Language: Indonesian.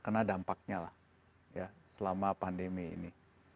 karena dampaknya lah selama pandemi ini